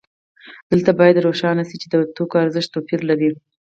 دلته باید روښانه شي چې د توکو ارزښت توپیر لري